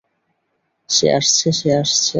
সে আসছে, সে আসছে!